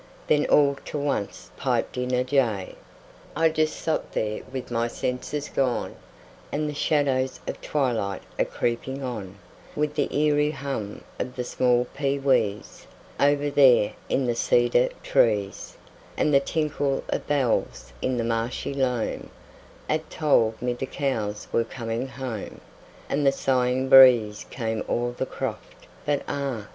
Then all ter onct piped in a jay. I just sot there with my senses gone, And the shadders of twilight a creepin' on, With the eerie hum of the small pee wees, Over there in the cedar trees, And the tinkle of bells in the marshy loam 'At told me the cows were coming home, And the sighing breeze came o'er the croft, But ah!